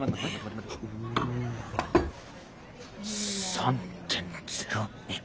３．０２。